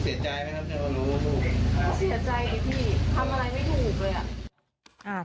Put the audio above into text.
เช็ดใจดิพี่ทำอะไรไม่ถูกเลย